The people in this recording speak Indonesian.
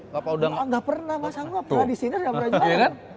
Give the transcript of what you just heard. gak pernah masa engga pernah di siras gak pernah juara